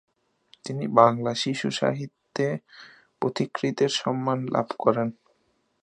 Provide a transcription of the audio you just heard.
তিনি বাংলা শিশুসাহিত্যে পথিকৃতের সম্মান লাভ করেন।